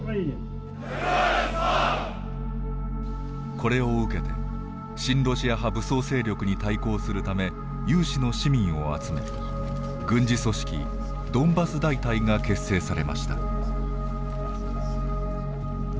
これを受けて親ロシア派武装勢力に対抗するため有志の市民を集め軍事組織ドンバス大隊が結成されました。